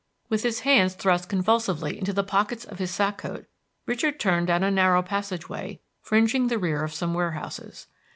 With his hands thrust convulsively into the pockets of his sack coat, Richard turned down a narrow passage way fringing the rear of some warehouses.